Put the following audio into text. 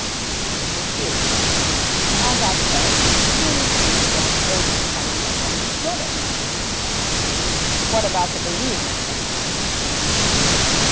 'True. As I said, he received an urgent summons from his brother.' 'What about the bereavement, then?'